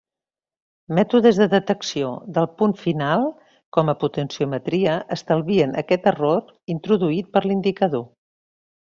Mètodes de detecció del punt final com la potenciometria estalvien aquest error introduït per l'indicador.